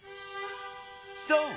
そう！